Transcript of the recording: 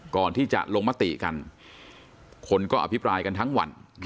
ก่อนที่จะลงมติกันคนก็อภิปรายกันทั้งวัน